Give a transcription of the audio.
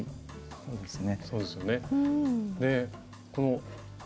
そうですね。